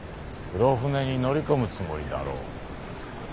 黒船に乗り込むつもりだろう。